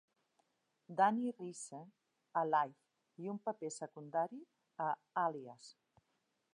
Dani Reese a "Life", i un paper secundari a "Àlies".